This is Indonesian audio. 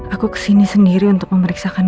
aku kesini sendiri untuk memeriksakan